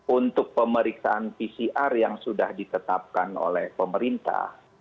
untuk pemeriksaan pcr yang sudah ditetapkan oleh pemerintah